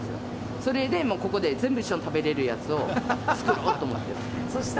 それでもうここで全部一緒に食べれるやつを作ろうと思って。